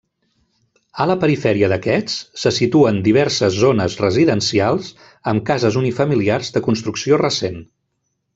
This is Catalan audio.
A la perifèria d'aquests se situen diverses zones residencials amb cases unifamiliars de construcció recent.